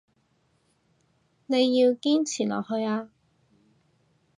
你要堅持落去啊